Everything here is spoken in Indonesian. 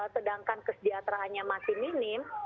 sedangkan kesejahteraannya masih minim